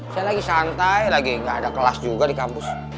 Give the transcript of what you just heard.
saya lagi santai lagi gak ada kelas juga di kampus